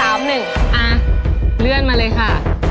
เลื่อนมาเลยค่ะ